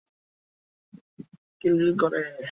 কিন্তু যদি বাবার মতো ছেলের ভেতর সত্যি বলার পোকা কিলবিল করে?